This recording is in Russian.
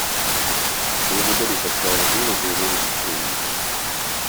Благодарю посла Алжира за его выступление.